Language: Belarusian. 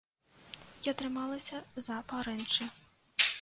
Я трымалася за парэнчы.